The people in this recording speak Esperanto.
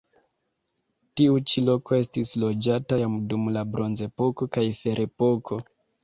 Tiu ĉi loko estis loĝata jam dum la bronzepoko kaj ferepoko.